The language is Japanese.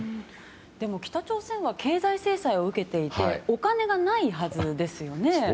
でも、北朝鮮は経済制裁を受けていてお金がないはずですよね。